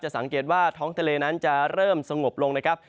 สังเกตว่าท้องทะเลนั้นจะเริ่มสงบลงนะครับ